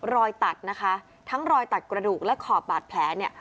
รอยตัดนะคะทั้งรอยตัดกระดูกและขอบบาดแผลเนี่ย